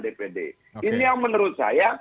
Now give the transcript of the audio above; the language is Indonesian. dpd ini yang menurut saya